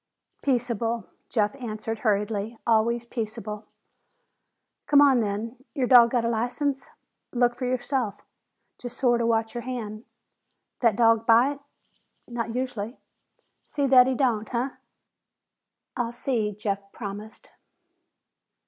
"Peaceable," Jeff answered hurriedly. "Always peaceable." "Come on, then. Your dog got a license?" "Look for yourself. Just sort of watch your hand." "That dog bite?" "Not usually." "See that he don't, huh?" "I'll see," Jeff promised.